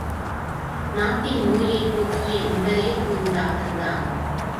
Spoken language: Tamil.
நாட்டின் நோயைப் போக்கிய இவரே ஒரு டாக்டர்தான்.